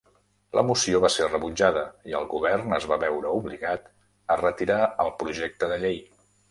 La moció va ser rebutjada i el govern es va veure obligat a retirar el projecte de llei.